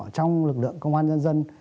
trong lực lượng công an nhân dân